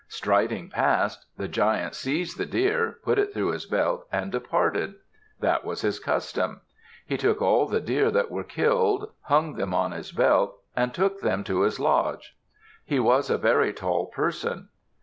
Striding past, the Giant seized the deer, put it through his belt, and departed. That was his custom. He took all the deer that were killed, hung them on his belt, and took them to his lodge. He was a very tall person.